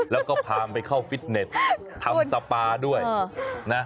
แล้วก็พามันไปเข้าฟิตเน็ตทำสปาด้วยนะ